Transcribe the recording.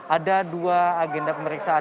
ada dua agenda pemeriksaan